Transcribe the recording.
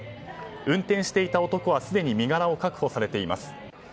運転していた男はすでに身柄を確保されております。